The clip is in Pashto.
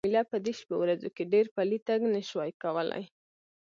جميله په دې شپو ورځو کې ډېر پلی تګ نه شوای کولای.